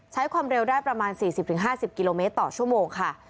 ใช้ความเร็วได้ประมาณ๔๐๕๐กิโลเมตรต่อชั่วโมงค่ะ